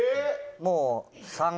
もう。